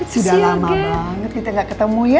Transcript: sudah lama banget kita gak ketemu ya